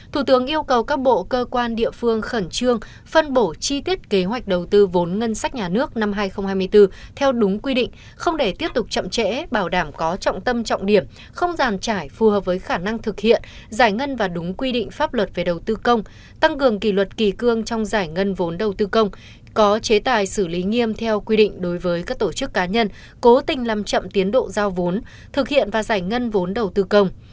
thủ tướng yêu cầu các bộ cơ quan địa phương khẩn trương phân bổ chi tiết kế hoạch đầu tư vốn ngân sách nhà nước năm hai nghìn hai mươi bốn theo đúng quy định không để tiếp tục chậm trễ bảo đảm có trọng tâm trọng điểm không giàn trải phù hợp với khả năng thực hiện giải ngân và đúng quy định pháp luật về đầu tư công tăng cường kỳ luật kỳ cương trong giải ngân vốn đầu tư công có chế tài xử lý nghiêm theo quy định đối với các tổ chức cá nhân cố tình làm chậm tiến độ giao vốn thực hiện và giải ngân vốn đầu tư công